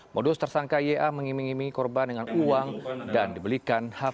modus tersangka ya mengiming imingi korban dengan uang dan dibelikan hp baru